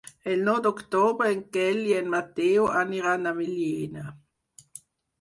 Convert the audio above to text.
El nou d'octubre en Quel i en Mateu aniran a Millena.